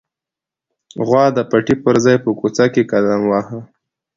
غوا د پټي پر ځای په کوڅه کې قدم واهه.